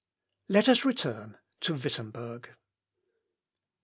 Let us return to Wittemberg.